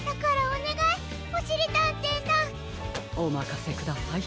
おまかせください。